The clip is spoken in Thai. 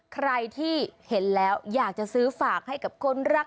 ใครที่เห็นแล้วอยากจะซื้อฝากให้กับคนรัก